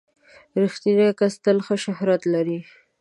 • رښتینی کس تل ښه شهرت لري.